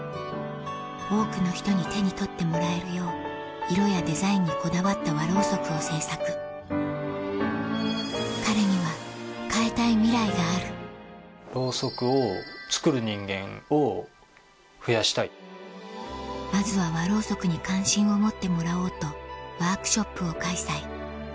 多くの人に手に取ってもらえるよう色やデザインにこだわった和ろうそくを制作彼には変えたいミライがあるまずは和ろうそくに関心を持ってもらおうとワークショップを開催